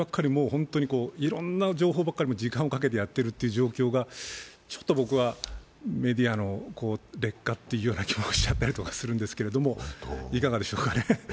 本当にいろんな情報ばっかり時間をかけてやっているという状況が、僕はメディアの劣化という気がしちゃったりもするんですけれども、いかがでしょうかね。